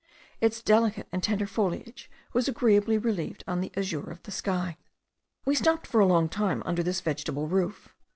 Its delicate and tender foliage was agreeably relieved on the azure of the sky. We stopped a long time under this vegetable roof.